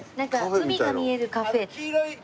海が見えるカフェ。